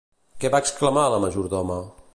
Què va exclamar la majordoma?